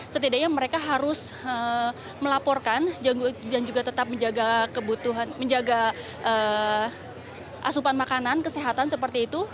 setidaknya mereka harus melaporkan dan juga tetap menjaga asupan makanan kesehatan seperti itu